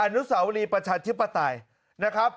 อนุสาวรีประชาธิปไตยนะครับ